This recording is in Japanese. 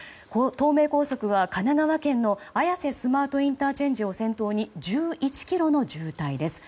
東名高速は、神奈川県の綾瀬スマートＩＣを先頭に１１ｋｍの渋滞です。